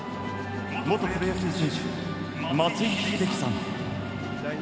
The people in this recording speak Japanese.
元プロ野球選手、松井秀喜さん。